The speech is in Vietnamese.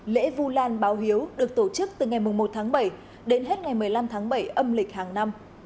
lễ vu lan báo hiếu được tổ chức từ ngày một tháng bảy đến hết ngày một mươi năm tháng bảy âm lịch hàng năm